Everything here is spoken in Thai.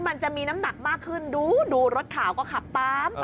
มันจะมีน้ำหนักมากขึ้นดูรถข่าวก็ขับตาม